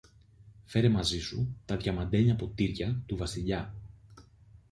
Φέρε μαζί σου τα διαμαντένια ποτήρια του Βασιλιά